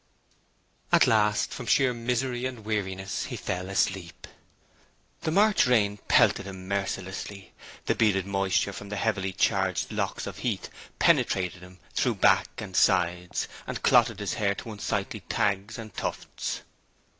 At last, from sheer misery and weariness, he fell asleep. The March rain pelted him mercilessly, the beaded moisture from the heavily charged locks of heath penetrated him through back and sides, and clotted his hair to unsightly tags and tufts.